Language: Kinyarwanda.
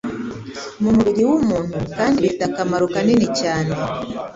mu mubiri w'umuntu kandi bifite akamaro kanini cyane